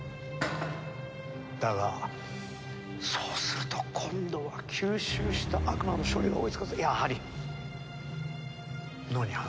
だがそうすると今度は吸収した悪魔の処理が追いつかずやはり野に放つことになる。